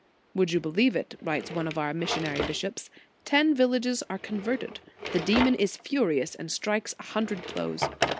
"Would you believe it?" writes one of our missionary bishops, " ten villages are con verted! The demon is furious, and strikes a hundred blows.